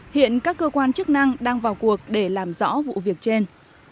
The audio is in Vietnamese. hiện các cơ quan chức năng đang vào cuộc để làm rõ vụ việc trên